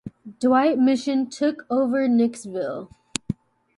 Dwight Mission took over Nicksville.